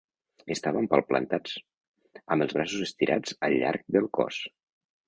Estàvem palplantats, amb els braços estirats al llarg del cos.